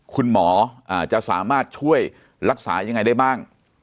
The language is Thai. คุณหมอจะสามารถช่วยรักษายังไงได้บ้าง